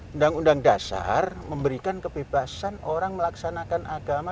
undang undang dasar memberikan kebebasan orang melaksanakan agama